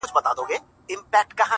لاس یې پورته د غریب طوطي پر سر کړ-